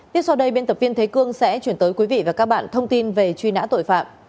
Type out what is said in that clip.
tiếp sau đây biên tập viên thế cương sẽ chuyển tới quý vị và các bạn thông tin về truy nã tội phạm